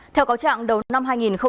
theo cáo trạng đầu năm hai nghìn hai mươi hai